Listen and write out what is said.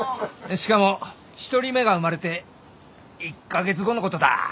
しかも１人目が生まれて１カ月後のことだ。